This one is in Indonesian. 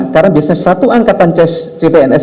karena biasanya satu angkatan tes cpns